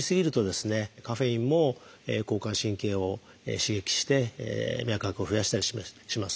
カフェインも交感神経を刺激して脈拍を増やしたりします。